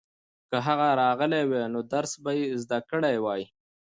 که هغه راغلی وای نو درس به یې زده کړی وای.